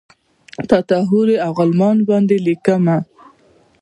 تاته حورې اوغلمان باندې لیکمه